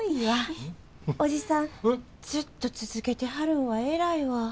おじさんずっと続けてはるんは偉いわ。